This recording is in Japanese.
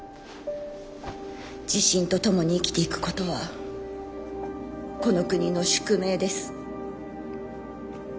地震とともに生きていくことはこの国の宿命です。